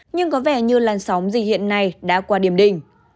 nhưng có vẻ như làn sóng gì hiện nay đã qua điểm đỉnh